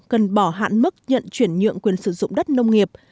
cần bỏ hạn mức nhận chuyển nhượng quyền sử dụng đất nông nghiệp